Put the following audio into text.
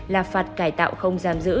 là phạt cải tạo không giam giữ